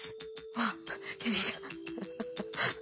わっ出てきた。